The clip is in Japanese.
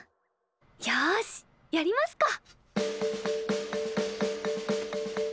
よしやりますか。